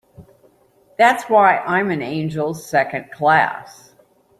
That's why I'm an angel Second Class.